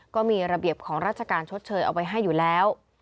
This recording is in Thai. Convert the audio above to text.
ก็มีระเบียบของราชการชดเชยเอาไว้ให้อยู่แล้ว